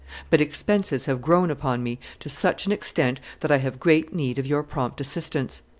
... But expenses have grown upon me to such an extent that I have great need of your prompt assistance.